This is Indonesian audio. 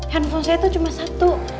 handphone saya itu cuma satu